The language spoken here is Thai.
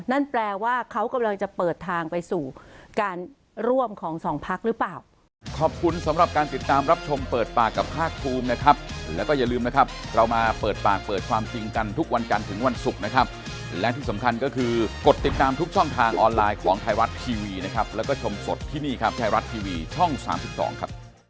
นั่นแปลว่าเขากำลังจะเปิดทางไปสู่การร่วมของสองพักหรือเปล่า